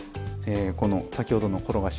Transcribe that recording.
この先ほどの転がし